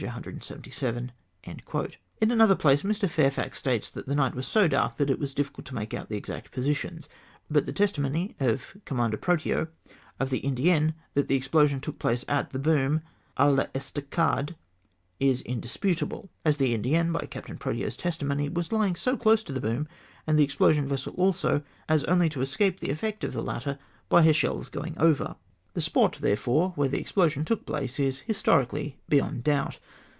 177. In another place Mr. Fairfax states that the night was so dark that it was difficult to make out exact positions ; but the testimony of Captain Protean, of the Indienne, that the explosion took place at the boom, " a I'estacade" is indisputable, as the Indienne, by Cap tain Proteau's testimony, was lying so close to the boom and the explosion vessel also, as only to escape the effect of the latter by her shells going over. The spot, therefore, where the explosion took place is historically beyond doubt.